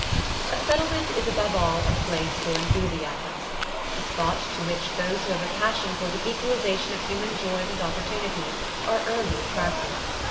A Settlement is above all a place for enthusiasms, a spot to which those who have a passion for the equalization of human joys and opportunities are early attracted.